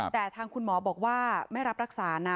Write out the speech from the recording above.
แต่ทางคุณหมอบอกว่าไม่รับรักษานะ